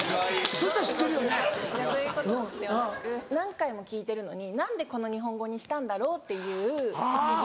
そういうことではなく何回も聞いてるのに何でこの日本語にしたんだろう？っていう不思議。